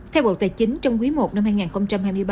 theo bộ tài chính trong quý i năm hai nghìn hai mươi ba